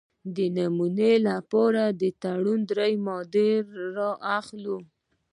د نمونې لپاره د تړون درې مادې را اخلو.